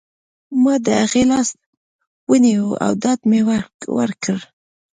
ما د هغې لاس ونیو او ډاډ مې ورکړ